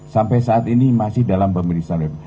sampai saat ini masih dalam pemeriksaan